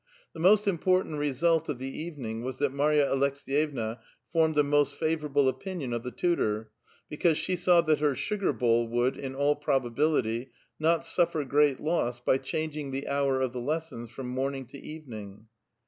The most im[)ortant result of the evening was that IVIarya Alekseyevna formed a most favorable opinion *of the tutor, because she saw that her sugarbowl would, in all probability, not sntTer great loss by changing the hour of the lessons from morning to eveninjj.